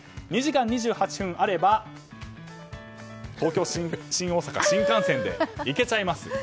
２時間２８分あれば東京新大阪、新幹線で行けちゃいます。